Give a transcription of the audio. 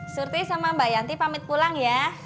surti sama mbak yanti pamit pulang ya